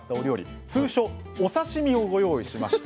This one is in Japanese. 通称お刺身をご用意しました。